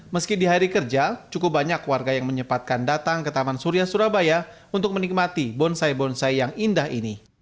meski di hari kerja cukup banyak warga yang menyepatkan datang ke taman surya surabaya untuk menikmati bonsai bonsai yang indah ini